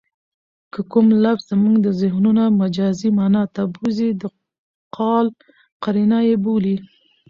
که کوم لفظ زمونږ ذهنونه مجازي مانا ته بوځي؛ د قال قرینه ئې بولي.